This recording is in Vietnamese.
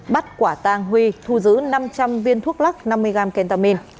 bắt quả tàng huy thu giữ năm trăm linh viên thuốc lắc năm mươi g kentamin